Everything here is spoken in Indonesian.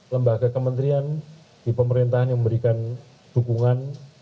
lembaga kementerian di pemerintah ini memberikan dukungan